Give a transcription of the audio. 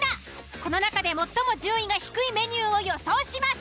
この中で最も順位が低いメニュ―を予想します。